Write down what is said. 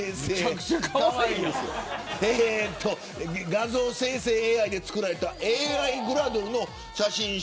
画像生成ＡＩで作られたＡＩグラドルの写真集も発売されている。